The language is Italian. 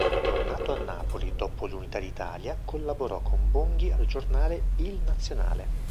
Tornato a Napoli dopo l'unità d'Italia, collaborò con Bonghi al giornale “Il Nazionale”.